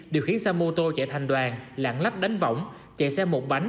điều khiến xe mô tô chạy thành đoàn lãng lách đánh vỏng chạy xe một bánh